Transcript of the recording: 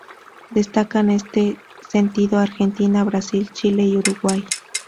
Destacan en este sentido Argentina, Brasil, Chile y Uruguay.